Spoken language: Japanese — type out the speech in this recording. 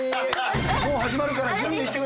もう始まるから準備してください。